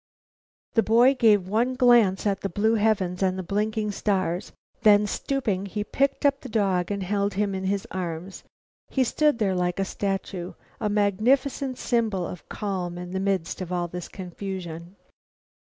The boy gave one glance at the blue heavens and the blinking stars; then, stooping, he picked up the dog and held him in his arms. He stood there like a statue, a magnificent symbol of calm in the midst of all this confusion.